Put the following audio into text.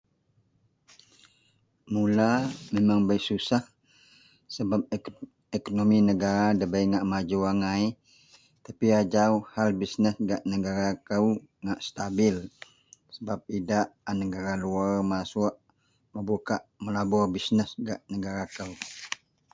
Mula memang bei susah sebap ekonomi negara debei ngak maju angai tapi ajau hal bisnes gak negara kou ngak stabil sebap idak a negara luwer masuok mebukak melabur bisnes gak negara kou